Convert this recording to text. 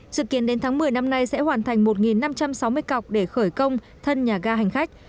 dự kiến đến tháng một mươi năm nay sẽ hoàn thành một năm trăm sáu mươi cọc để khởi công thân nhà ga hành khách